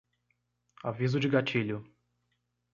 Aviso de gatilho